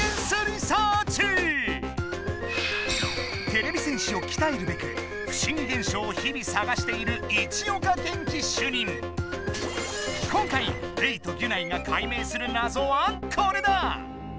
てれび戦士をきたえるべく不思議現象を日々さがしている今回レイとギュナイが解明するなぞはこれだ！